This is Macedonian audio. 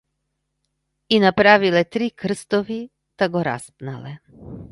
И направиле три крстови та го распнале.